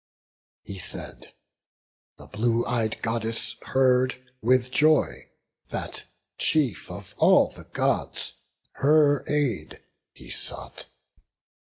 He said: the blue ey'd Goddess heard with joy That, chief of all the Gods, her aid he sought.